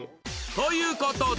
という事で